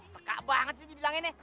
teka banget sih dia bilangin nih